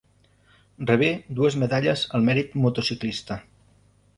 Rebé dues medalles al mèrit motociclista.